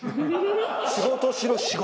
「仕事しろ仕事」。